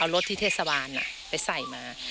รถที่เทศบาลไปใส่มา